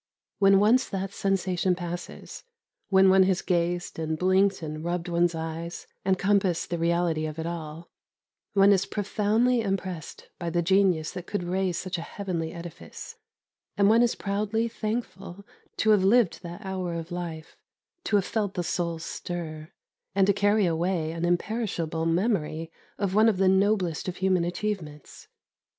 When once that sensation passes, when one has gazed, and blinked, and rubbed one's eyes, and compassed the reality of it all, one is profoundly impressed by the genius that could raise such a heavenly edifice, and one is proudly thankful to have lived that hour of life, to have felt the soul stir, and to carry away an imperishable memory of one of the noblest of human achievements.